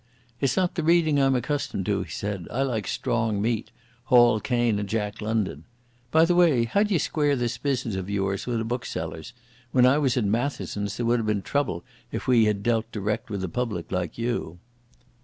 "It's not the reading I'm accustomed to," he said. "I like strong meat—Hall Caine and Jack London. By the way, how d'ye square this business of yours wi' the booksellers? When I was in Matheson's there would have been trouble if we had dealt direct wi' the public like you."